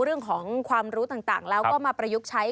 เรื่องของความรู้ต่างแล้วก็มาประยุกต์ใช้